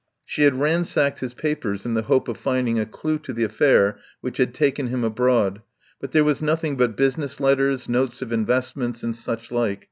She had ransacked his papers in the hope of finding a clue to the affair which had taken him abroad, but there was nothing but busi ness letters, notes of investments, and such like.